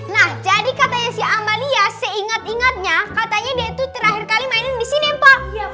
nah jadi katanya si amalia seingat ingatnya katanya dia itu terakhir kali mainin di sini pak